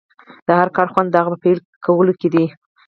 د هر کار خوند د هغه په پيل کولو کې دی.